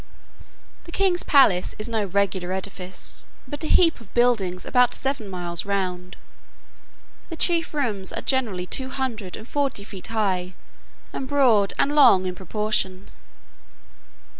The king's palace is no regular edifice, but a heap of buildings, about seven miles round: the chief rooms are generally two hundred and forty feet high, and broad and long in proportion.